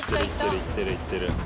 行ってる行ってる。